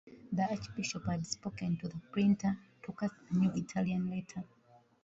The archbishop had spoken to the printer, to cast a new Italian letter.